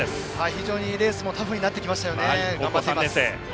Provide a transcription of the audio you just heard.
非常にレースもタフになってきましたよね。